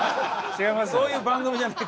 そういう番組じゃないから。